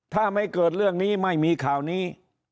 ถ้าไม่เกิดเรื่องนี้ไม่มีข่าวนี้